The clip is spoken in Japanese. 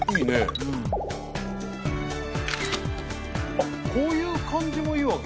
あっこういう感じもいいわけ。